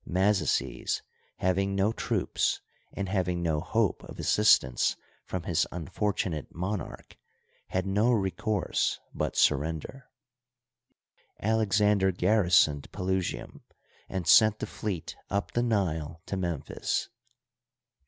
Mazaces, having no troops, and having no hope of assistance from his unfor tunate monarch, had no recourse but surrender. Alex ander garrisoned Pelusium and sent the fleet up the Nile to Memphis.